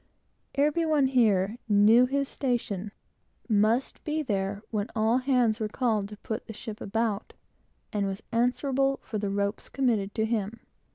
Every one here knew his station, must be there when all hands were called to put the ship about, and was answerable for every rope committed to him.